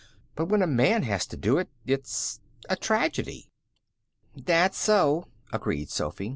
But when a man has to do it, it's a tragedy." "That's so," agreed Sophy.